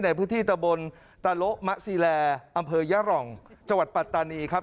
ในพื้นที่ตะบนตาโละมะซีแลอำเภอยะรองจังหวัดปัตตานีครับ